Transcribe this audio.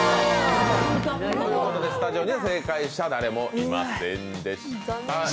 スタジオには正解者誰もいませんでした。